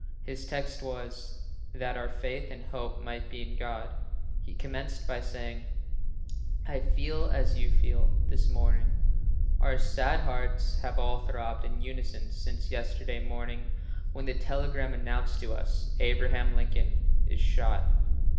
His text was "That our faith and hope might be in God." He commenced by saying, "I feel as you feel this morning: our sad hearts have all throbbed in unison since yesterday morning when the telegram announced to us Abraham Lincoln is shot."